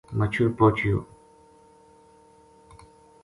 مچھل پوہچیو